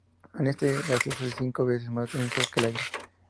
En estado gaseoso, es cinco veces más denso que el aire.